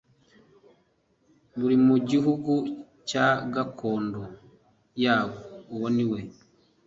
buri mu gihugu cya gakondo yabo Uwo ni we